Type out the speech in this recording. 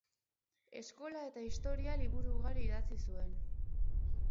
Eskola eta historia liburu ugari idatzi zuen.